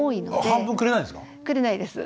半分くれないんですか？